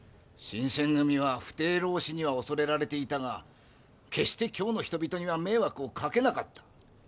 新選組は不逞浪士には恐れられていたが決して京の人々には迷惑をかけなかった。